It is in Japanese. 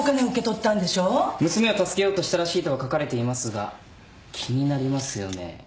娘を助けようとしたらしいとは書かれていますが気になりますよね。